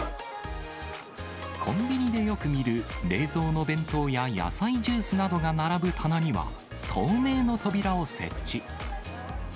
コンビニでよく見る冷蔵の弁当や野菜ジュースなどが並ぶ棚には、透明の扉を設置。